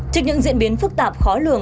trên những diễn biến phức tạp khó lường